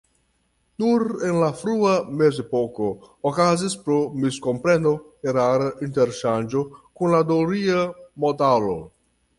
Nur en la frua mezepoko okazis pro miskompreno erara interŝanĝo kun la doria modalo.